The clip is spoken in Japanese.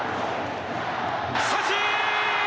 三振。